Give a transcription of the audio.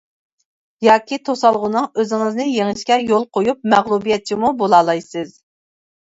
ياكى توسالغۇنىڭ ئۆزىڭىزنى يېڭىشىگە يول قويۇپ، مەغلۇبىيەتچىمۇ بولالايسىز.